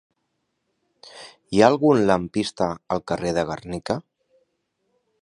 Hi ha algun lampista al carrer de Gernika?